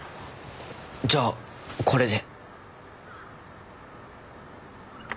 じゃあこれで。